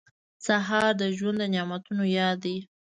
سهار د ژوند د نعمتونو یاد دی.